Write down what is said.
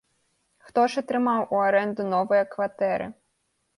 Хто ж атрымаў у арэнду новыя кватэры?